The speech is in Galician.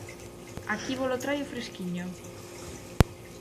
Aquí volo traio fresquiño.